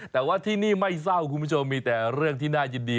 แต่ว่าที่นี่ไม่เศร้าคุณผู้ชมมีแต่เรื่องที่น่ายินดี